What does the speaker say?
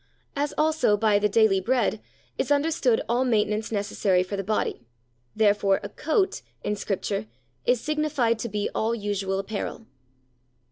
As, also, by "the daily bread" is understood all maintenance necessary for the body, therefore "a coat," in Scripture, is signified to be all usual apparel.